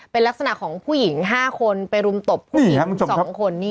เป็นลักษณะของผู้หญิง๕คนไปรุมตบผู้หญิง๒คน